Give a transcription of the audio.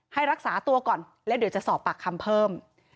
ให้รักษาตัวก่อนและเดี๋ยวจะสอบปากคำเพิ่ม